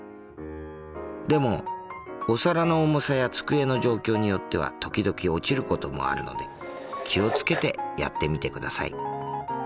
でもお皿の重さや机の状況によっては時々落ちることもあるので気を付けてやってみてください。